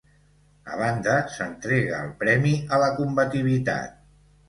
A banda, s'entrega el premi a la combativitat.